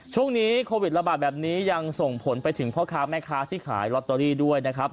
ช่วงนี้โควิดระบาดแบบนี้ยังส่งผลไปถึงพ่อค้าแม่ค้าที่ขายลอตเตอรี่ด้วยนะครับ